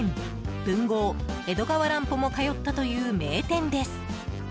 文豪・江戸川乱歩も通ったという名店です。